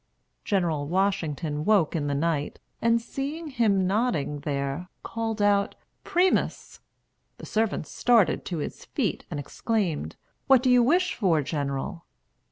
General Washington woke in the night, and seeing him nodding there, called out, "Primus!" The servant started to his feet, and exclaimed, "What do you wish for, General?"